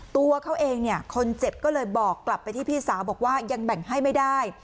ตัวเขาเองเนี่ยคนเจ็บก็เลยบอกกลับไปที่พี่สาวบอกว่ายังแบ่งให้ไม่ได้